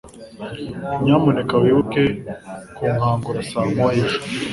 Nyamuneka wibuke kunkangura saa moya ejo.